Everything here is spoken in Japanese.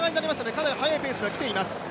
かなり速いペースでは来ています。